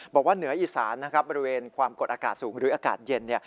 บอกว่าเหนืออีสานนะครับบริเวณความกดอากาศสูงหรืออากาศเย็น